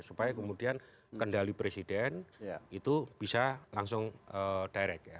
supaya kemudian kendali presiden itu bisa langsung direct